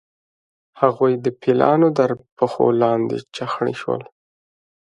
هغوی د پیلانو تر پښو لاندې چخڼي شول.